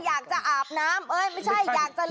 อยากจะอาบน้ำเอ้ยไม่ใช่